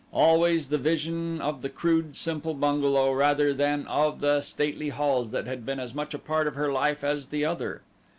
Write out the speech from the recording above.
Always the vision of the crude simple bungalow rather than of the stately halls that had been as much a part of her life as the other.